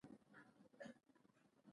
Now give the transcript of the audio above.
پاڼې د لمر لوري ته مخ کوي